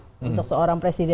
untuk seorang presiden